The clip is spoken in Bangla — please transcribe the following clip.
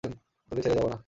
তোকে ছেড়ে যাবো না।